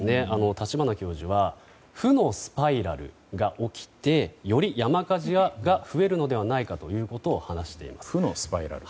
立花教授は負のスパイラルが起きてより山火事が増えるのではないかということを話しています。